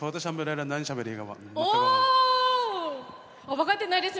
分かってないです